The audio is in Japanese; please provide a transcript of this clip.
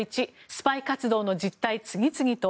１スパイ活動の実態、次々と。